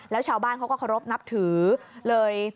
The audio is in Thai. แล้วชาวบ้านเขาก็เคารพนับถือเลย